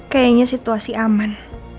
kayaknya situasi aman